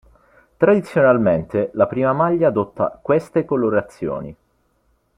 Tradizionalmente la prima maglia adotta queste colorazioni.